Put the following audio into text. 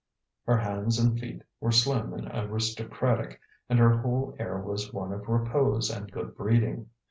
Her hands and feet were slim and aristocratic, and her whole air was one of repose and good breeding.